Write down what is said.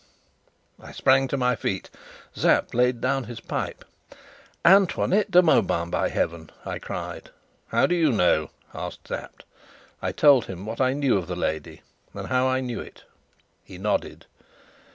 I sprang to my feet. Sapt laid down his pipe. "Antoinette de Mauban, by heaven!" I cried. "How do you know?" asked Sapt. I told him what I knew of the lady, and how I knew it. He nodded.